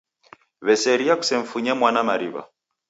W'eseria kusemfunye mwana mariw'a